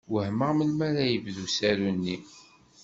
Wehmeɣ melmi ara yebdu usaru-nni.